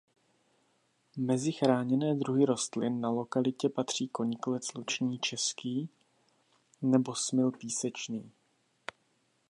Mezi chráněné druhy rostlin na lokalitě patří koniklec luční český nebo smil písečný.